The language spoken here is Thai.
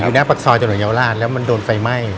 อยู่ในปรักษอยจนตรงเยาวราชแล้วมันโดนไฟไหม้